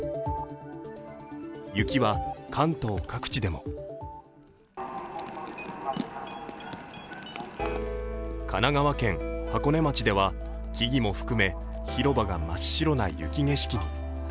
雪は関東各地でも神奈川県箱根町では木々も含め、広場が真っ白な雪景色に。